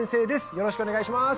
よろしくお願いします